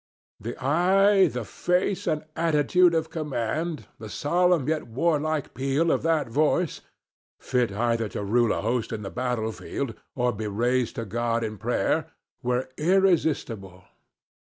The eye, the face and attitude of command, the solemn yet warlike peal of that voice—fit either to rule a host in the battle field or be raised to God in prayer—were irresistible.